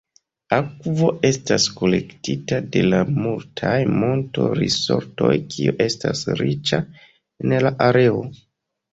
Akvo estas kolektita de la multaj monto-risortoj, kio estas riĉa en la areo.